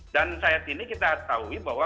dan saat ini kita tahu bahwa